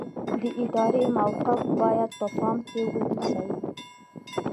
د ادارې موقف باید په پام کې ونیسئ.